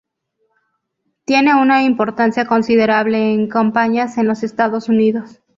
Tiene una importancia considerable en campañas en los Estados Unidos.